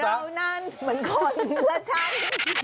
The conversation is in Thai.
ก่อเรานั้นเหมือนคนละชั้น